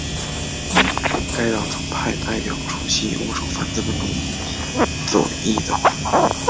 该党曾派代表出席欧洲反资本主义左翼的会议。